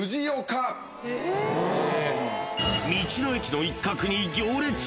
［道の駅の一角に行列］